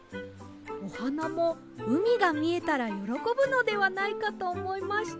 おはなもうみがみえたらよろこぶのではないかとおもいまして